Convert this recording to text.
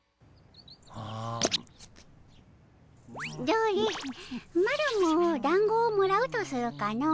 どれマロもだんごをもらうとするかの。